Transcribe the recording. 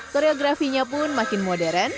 koreografinya pun makin modern